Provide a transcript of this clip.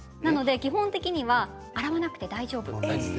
基本的には洗わなくて大丈夫なんです。